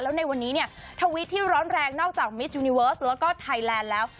แล้วในวันนี้เนี่ยทวิตที่ร้อนแรงนอกจากมิสยูนิเวิร์สแล้วก็ไทยแลนด์แล้ว